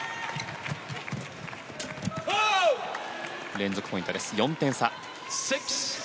連続ポイント、４点差。